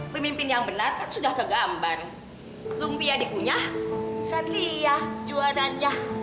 pemimpin yang benar kan sudah kegambar lumpia dikunyah satria jualannya